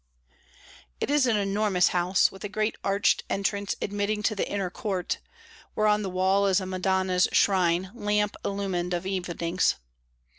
It is an enormous house, with a great arched entrance admitting to the inner court, where on the wall is a Madonna's shrine, lamp illumined of evenings.